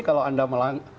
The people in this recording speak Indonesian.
kalau anda berbicara